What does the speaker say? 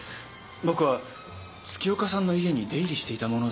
僕は月岡さんの家に出入りしていた者です。